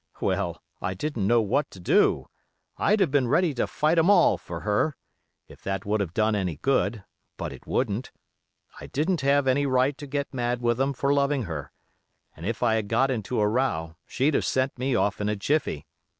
Well, I didn't know what to do. I'd have been ready to fight 'em all for her, if that would have done any good, but it wouldn't; I didn't have any right to get mad with 'em for loving her, and if I had got into a row she'd have sent me off in a jiffy.